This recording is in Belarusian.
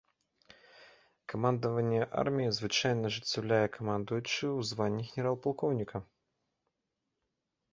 Камандаванне арміяй звычайна ажыццяўляе камандуючы ў званні генерал-палкоўніка.